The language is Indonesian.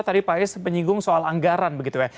tadi pak is menyinggung soal anggaran begitu ya